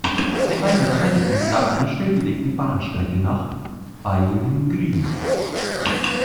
Ein weiterer Haltepunkt lag an der stillgelegten Bahnstrecke nach Beilngries.